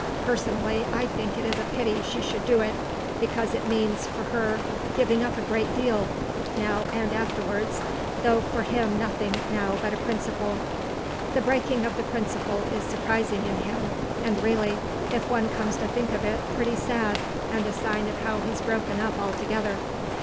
Personally, I think it a pity she should do it, because it means, for her, giving up a great deal, now and afterwards, though for him nothing now but a principle. The breaking of the principle is surprising in him, and really, if one comes to think of it, pretty sad, and a sign of how he's broken up altogether.